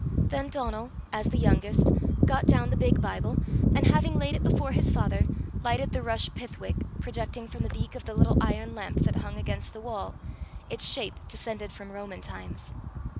Then Donal, as the youngest, got down the big Bible, and having laid it before his father, lighted the rush pith wick projecting from the beak of the little iron lamp that hung against the wall, its shape descended from Roman times.